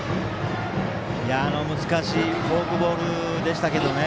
難しいフォークボールでしたけどね。